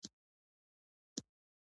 د وطن د تاریخ زده کړه مهمه ده.